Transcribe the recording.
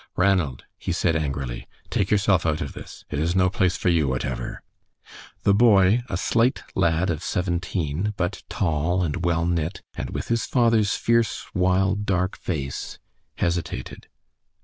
"Ranald," he said, angrily, "take yourself out of this. It is no place for you whatever." The boy, a slight lad of seventeen, but tall and well knit, and with his father's fierce, wild, dark face, hesitated.